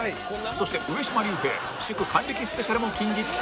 そして上島竜兵祝還暦スペシャルも近日公開！